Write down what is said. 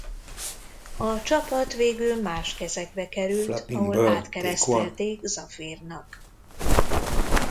A csapat végül más kezekbe került ahol átkeresztelték Safir-nak.